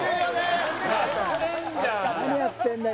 何やってんだよ